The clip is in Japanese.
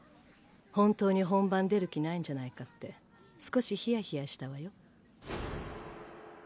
本当に本番出る気ないんじゃないかって少しひやひやしたわよ。